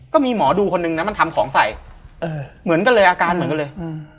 ก็มีหมอดูคนนึงนะมันทำของใส่เออเหมือนกันเลยอาการเหมือนกันเลยอืม